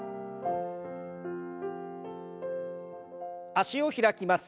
脚を開きます。